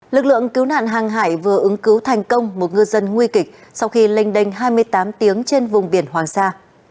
lực lượng cứu nạn hàng hải vừa ứng cứu thành công một ngư dân nguy kịch sau khi lênh đênh hai mươi tám tiếng trên vùng biển hoàng sa